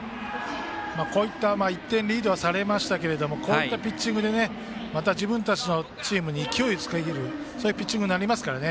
こういった１点リードはされましたけどこういったピッチングでまた自分たちのチームに勢いができるピッチングになりますからね。